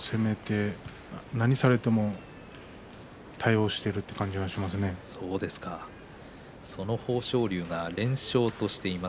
何をされても対応しているという感じがその豊昇龍が連勝としています。